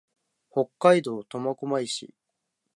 北海道苫小牧市